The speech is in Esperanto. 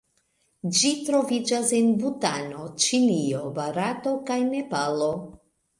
Ĝi troviĝas en Butano, Ĉinio, Barato kaj Nepalo.